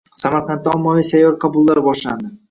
Samarqandda ommaviy sayyor qabullar boshlandi